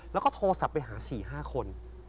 แล้วก็โทรศัพท์ไปหา๔๕คน